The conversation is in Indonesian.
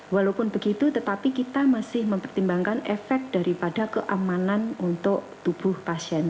walaupun begitu tetapi kita masih mempertimbangkan efek daripada keamanan untuk tubuh pasien